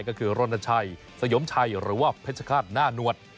ก็คือรณชัยสยมชัยหรือว่าเพชรฆาตหน้านวด